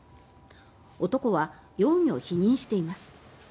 男は容疑を否認しています。